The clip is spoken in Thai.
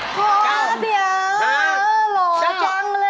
หวังคือปรับเทศไทยหวังจะได้มาพึ่งใบบูม